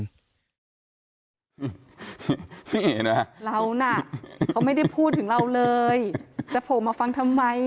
พี่เอนอะฮะเรานะเค้าไม่ได้พูดถึงเราเลยจะโปรมาฟังทำไม